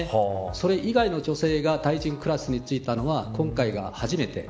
それ以外の女性が大臣クラスに就いたのは今回が初めて。